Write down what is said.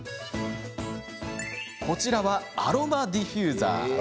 こちらはアロマディフューザー。